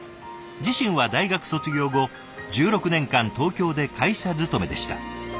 自身は大学卒業後１６年間東京で会社勤めでした。